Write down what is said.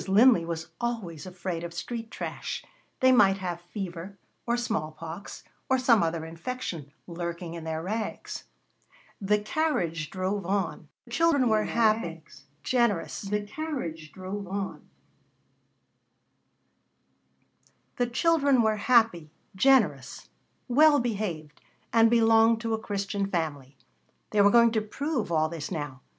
Linley was always afraid of street trash. They might have fever, or small pox, or some other infection, lurking in their rags. The carriage drove on. The children were happy, generous, well behaved, and belonged to a Christian family. They were going to prove all this now.